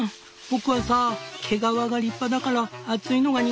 僕はさ毛皮が立派だから暑いのが苦手。